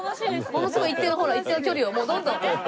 ものすごい一定のほら一定の距離をもうどんどんどんどん後ろにこう。